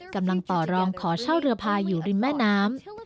กำลังต่อรองขอเช่าเรือพายอยู่ริมแม่น้ำ